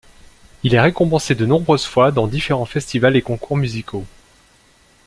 Il est récompensé de nombreuses fois dans différents festivals et concours musicaux.